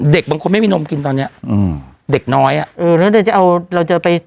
เด็กมั่งความแม่มินมกินตอนเนี้ยเด็กน้อยอะเออแล้วเด็กจะเอาเราจะไป